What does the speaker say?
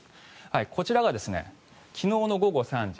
こちらは昨日の午後３時。